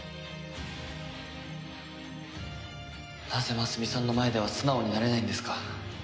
なぜ真澄さんの前では素直になれないんですか？